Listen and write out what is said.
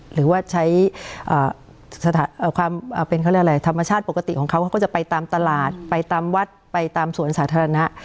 หรือว่าใช้ธรรมชาติปกติของเขาเขาก็จะไปตามตลาดไปตามวัดไปตามส่วนสาธารณะ